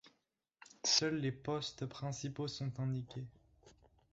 Seuls les postes principaux sont indiqués.